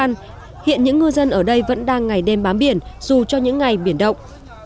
các ngư dân ở đây vẫn đang ngày đêm bán biển dù cho những ngày biển động